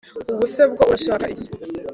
ubuse bwo urashaka iki